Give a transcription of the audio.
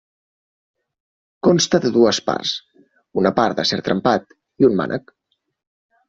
Consta de dues parts: una part d'acer trempat i un mànec.